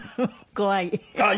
怖い。